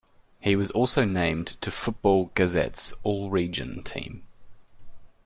He was also named to Football Gazette's all-region team.